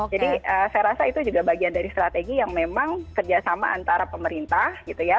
jadi saya rasa itu juga bagian dari strategi yang memang kerjasama antara pemerintah gitu ya